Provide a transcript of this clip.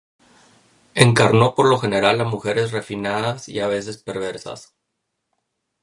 Encarnó por lo general a mujeres refinadas y a veces perversas.